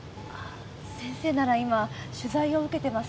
先生なら今取材を受けてます。